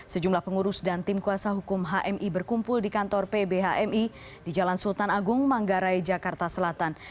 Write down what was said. sejumlah pengurus dan tim kuasa hukum hmi berkumpul di kantor pb hmi di jalan sultan agung manggarai jakarta selatan